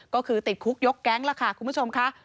ก็คือติดคุกยกแก๊งแล้วค่ะคุณผู้ชมค่ะ